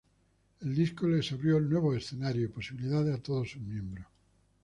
El disco les abrió nuevos escenarios y posibilidades a todos sus miembros.